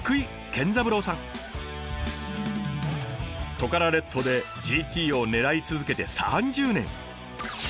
トカラ列島でＧＴを狙い続けて３０年。